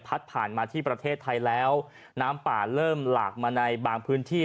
ผ่านมาที่ประเทศไทยแล้วน้ำป่าเริ่มหลากมาในบางพื้นที่